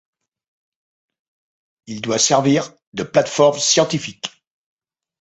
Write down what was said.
Il doit servir de plateforme scientifique.